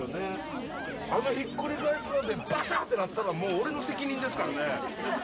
あのひっくり返すのでバシャってなったらもう俺の責任ですからね。